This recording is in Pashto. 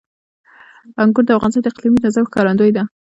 انګور د افغانستان د اقلیمي نظام ښکارندوی ده.